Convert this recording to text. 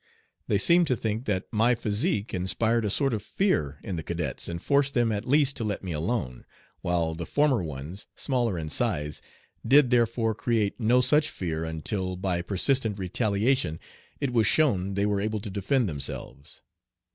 They seem to think that my physique inspired a sort of fear in the cadets, and forced them at least to let me alone, while the former ones, smaller in size, did therefore create no such fear until by persistent retaliation it was shown they were able to defend themselves.